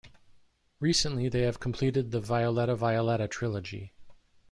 Recently they have completed the "Violeta Violeta" trilogy.